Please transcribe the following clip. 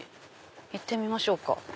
行ってみましょうか。